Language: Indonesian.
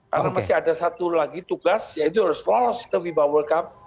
karena masih ada satu lagi tugas yaitu harus lolos ke viva world cup